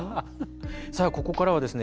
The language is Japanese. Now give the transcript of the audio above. さあここからはですね